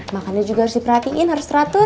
makannya juga harus diperhatiin harus teratur